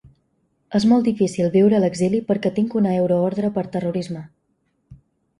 És molt difícil viure a l’exili perquè tinc una euroordre per terrorisme.